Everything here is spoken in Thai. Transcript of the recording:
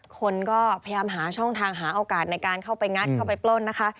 คนก็พยายามหาช่องทางหาโอกาสในการเข้าไปงัดเข้าไปปล้นนะคะ